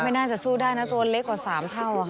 ไม่น่าจะสู้ได้นะตัวเล็กกว่า๓เท่าค่ะ